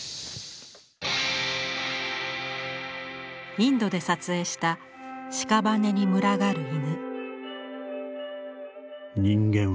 インドで撮影した屍に群がる犬。